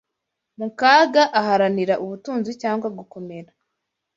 mu kaga aharanira ubutunzi cyangwa gukomera